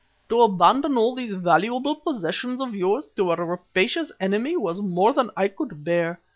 To abandon all these valuable possessions of yours to a rapacious enemy was more than I could bear.